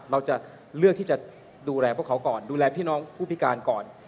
เราจะเลือกที่จะดูแลพวกเขาก่อนดูแลพี่น้องผู้พิการก่อน